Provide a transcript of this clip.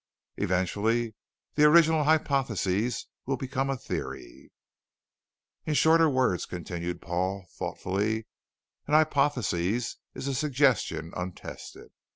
Eventually the original hypothesis will become a theory. "In shorter words," continued Paul thoughtfully, "An hypothesis is a suggestion untested.